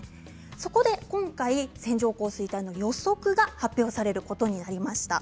そこで今回線状降水帯の予測が発表されることになりました。